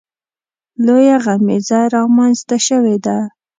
لویه غمیزه رامنځته شوې ده.